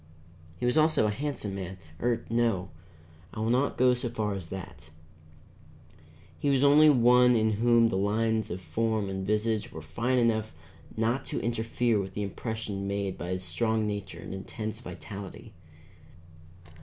He was also a handsome man, or no, I will not go so far as that; he was only one in whom the lines of form and visage were fine enough not to interfere with the impression made by his strong nature and intense vitality.